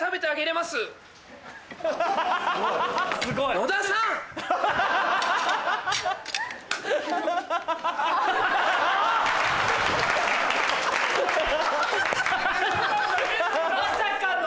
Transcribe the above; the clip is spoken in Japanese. まさかの！